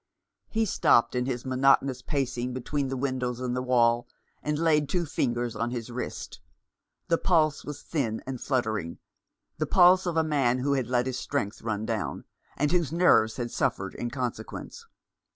He stopped in his monotonous pacing between the windows and the wall, and laid two fingers on his wrist. The pulse was thin and fluttering — the pulse of a man who had let his strength run down, 340 The Man behind the Mask. and whose nerves had suffered in consequence.